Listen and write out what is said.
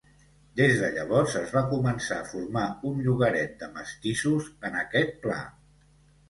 Des de llavors, es va començar a formar un llogaret de mestissos en aquest pla.